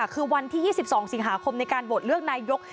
คือวันที่๒๒สิงหาคมในการโหวตเลือกนายก